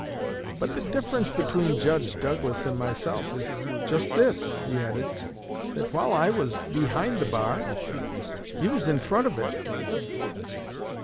"But the difference between Judge Douglas and myself is just this," he added, "that while I was behind the bar, he was in front of it."